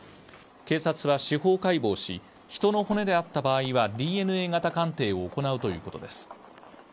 警察は司法解剖し、人の骨であった場合はＤＮＡ型鑑定を行うということです。